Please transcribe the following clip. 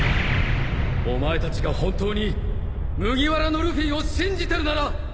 お前たちが本当に麦わらのルフィを信じてるなら！